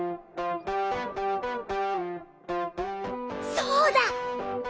そうだ！